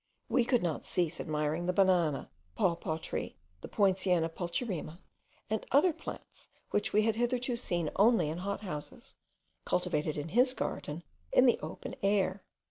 We could not cease admiring the banana, the papaw tree, the Poinciana pulcherrima, and other plants, which we had hitherto seen only in hot houses, cultivated in his garden in the open air.